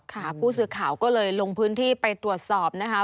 ผู้สื่อข่าวก็เลยลงพื้นที่ไปตรวจสอบนะคะ